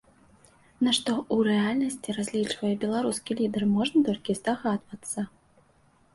На што ў рэальнасці разлічвае беларускі лідар, можна толькі здагадвацца.